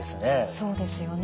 そうですよね。